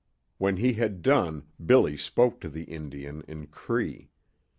When he had done, Billy spoke to the Indian in Cree.